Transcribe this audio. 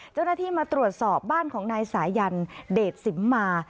เจ้าหน้าที่มาตรวจสอบบ้านของนายสายันเดชสิมมา